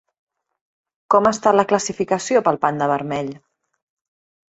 Com ha estat la classificació del panda vermell?